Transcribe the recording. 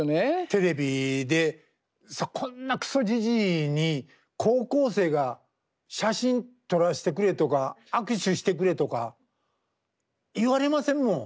テレビでこんなクソジジイに高校生が「写真撮らせてくれ」とか「握手してくれ」とか言われませんもん。